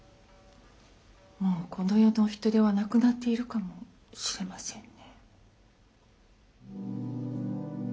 もうこの世のお人ではなくなっているかもしれませんね。